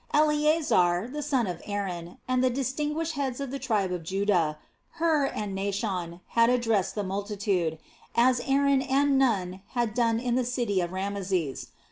Eleasar, the son of Aaron, and the distinguished heads of the tribe of Judah, Hur and Naashon, had addressed the multitude, as Aaron and Nun had done in the city of Rameses.